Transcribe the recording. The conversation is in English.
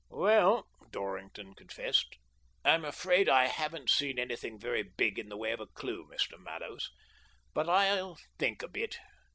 "Well," Dorrington confessed, "I'm afraid I haven't seen anything very big in the way of a clue, Mr. Mallows; but I'll think a bit.